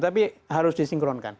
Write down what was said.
tapi harus disinkronkan